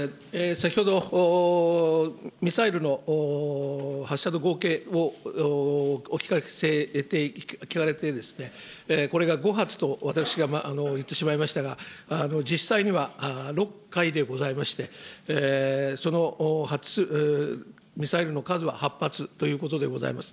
先ほど、ミサイルの発射の合計を聞かれて、これが５発と、私が言ってしまいましたが、実際には６回でございまして、そのミサイルの数は８発ということでございます。